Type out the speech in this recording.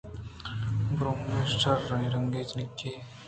بْرمش شر رنگیں جنکے